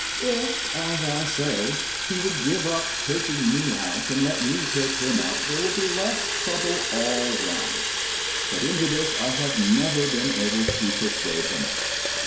If, as I say, he would give up taking me out, and let me take him out, there would be less trouble all round. But into this I have never been able to persuade him.